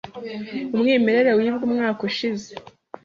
Umwimerere wibwe umwaka ushize.